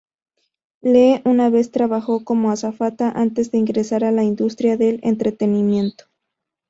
Lee una vez trabajó como azafata, antes de ingresar a la industria del entretenimiento.